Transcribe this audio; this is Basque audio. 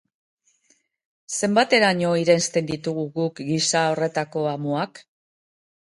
Zenbateraino irensten ditugu guk gisa horretako amuak?